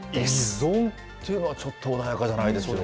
依存というのは、ちょっと穏やかじゃないですよ。